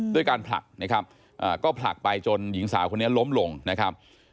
ด้วยการผลักนะครับก็ผลักไปจนหญิงสาวคนนี้ล้มลงนะครับ